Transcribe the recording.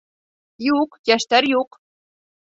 Юҡ, йәштәр юҡ!